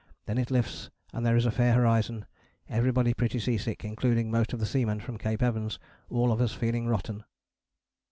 Then it lifts and there is a fair horizon. Everybody pretty sea sick, including most of the seamen from Cape Evans. All of us feeling rotten."